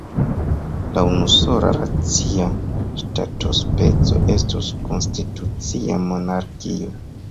La unusola racia ŝtatospeco estus konstitucia monarkio.